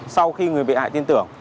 sau khi người bị hại tin tưởng